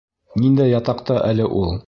Ниндәй ятаҡта әле ул?